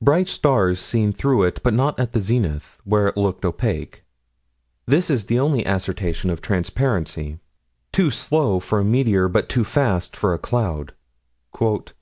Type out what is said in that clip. Bright stars seen through it, but not at the zenith, where it looked opaque. This is the only assertion of transparency (Nature, 27 87). Too slow for a meteor, but too fast for a cloud (Nature, 27 86).